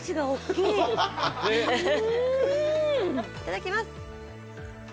いただきます。